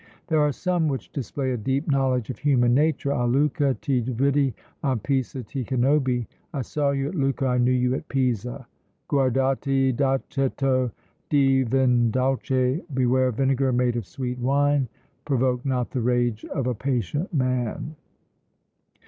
There are some which display a deep knowledge of human nature: A Lucca ti vidi, à Pisa ti connobbi! "I saw you at Lucca, I knew you at Pisa!" Guardati d'aceto di vin dolce: "Beware of vinegar made of sweet wine;" provoke not the rage of a patient man!